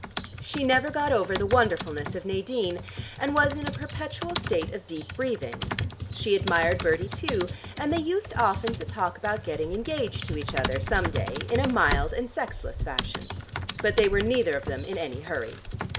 She never got over the wonderfulness of Nadine and was in a perpetual state of deep breathing. She admired Bertie too, and they used often to talk about getting engaged to each other some day, in a mild and sexless fashion. But they were neither of them in any hurry.